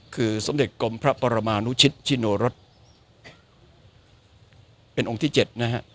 คือสมเด็จกรมพระปรมานุชิตชิโนรสเป็นองค์ที่๗นะฮะ